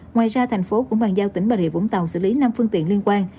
ngoài ra thành phố cũng bàn giao tỉnh bà rịa vũng tàu xử lý năm phương tiện liên quan